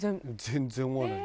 全然思わない。